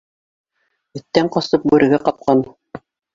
Эттән ҡасып, бүрегә ҡапҡан.